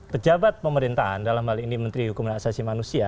pejabat pemerintahan dalam hal ini menteri hukum dan asasi manusia